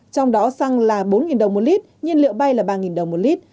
trong đó xăng là bốn đồng một lit nhiên liệu bay là ba đồng một lit